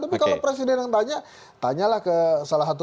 tapi kalau presiden yang tanya tanyalah ke salah satu